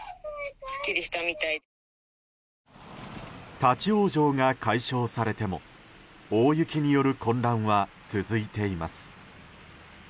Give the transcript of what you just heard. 立ち往生が解消されても大雪による混乱は続いています。